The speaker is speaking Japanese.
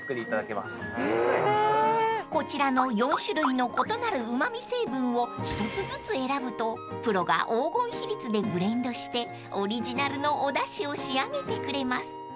［こちらの４種類の異なるうま味成分を一つずつ選ぶとプロが黄金比率でブレンドしてオリジナルのおだしを仕上げてくれます］